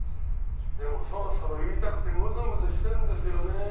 でもそろそろ言いたくてムズムズしてるんですよね。